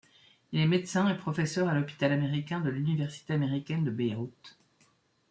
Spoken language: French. Il est médecin et professeur à l’Hôpital américain de l'université américaine de Beyrouth.